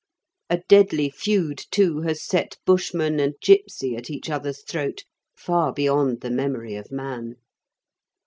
A deadly feud, too, has set Bushman and gipsy at each other's throat, far beyond the memory of man.